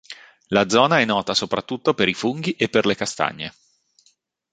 La zona è nota soprattutto per i funghi e per le castagne.